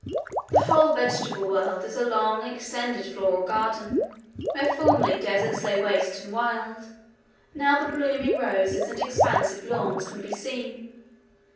The whole vegetable world is a long extended floral garden. Where formerly deserts lay waste and wild, now the blooming roses and expansive lawns can be seen.